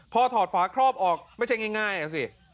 พอถอดฝาครอบออกไม่ใช่ง่ายอ่ะสิ